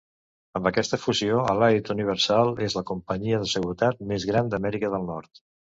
Amb aquesta fusió, Allied Universal és la companyia de seguretat més gran d'Amèrica del Nord.